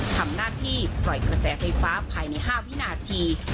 ทำหน้าที่ปล่อยกระแสไฟฟ้าภายใน๕วินาที